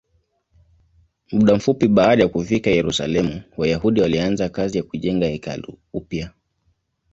Muda mfupi baada ya kufika Yerusalemu, Wayahudi walianza kazi ya kujenga hekalu upya.